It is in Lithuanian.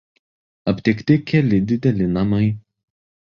Aptikti keli dideli namai.